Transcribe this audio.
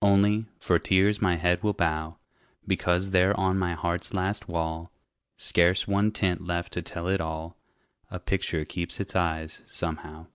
Only, for tears my head will bow, Because there on my heart's last wall, Scarce one tint left to tell it all, A picture keeps its eyes, somehow.